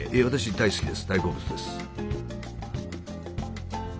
大好物です。